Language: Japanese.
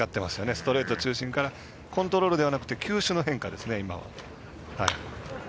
ストレート中心からコントロールではなくて球種の変化ですね、今。